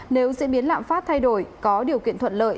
nếu diễn biến lạm phát thay đổi có điều kiện thuận lợi